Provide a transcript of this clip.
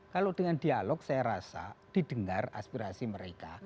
kalau dengan dialog saya rasa didengar aspirasi mereka